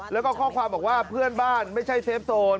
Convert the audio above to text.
แล้วก็ข้อความบอกว่าเพื่อนบ้านไม่ใช่เซฟโซน